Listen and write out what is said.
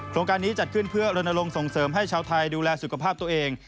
โครงการนี้จัดขึ้นเพื่อรณรงค์ส่งเสริมให้ชาวไทยดูแลสุขภาพตัวเอง